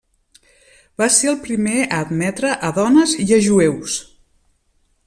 Va ser el primer a admetre a dones i a jueus.